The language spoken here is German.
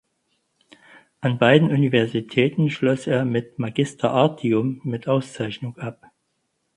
An beiden Universitäten schloss er mit "Magister artium mit Auszeichnung" ab.